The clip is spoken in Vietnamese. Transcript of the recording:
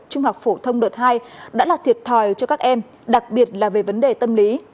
trung học phổ thông đợt hai đã là thiệt thòi cho các em đặc biệt là về vấn đề tâm lý